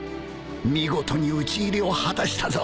見事に討ち入りを果たしたぞ！